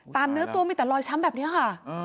เนื้อตัวมีแต่รอยช้ำแบบนี้ค่ะ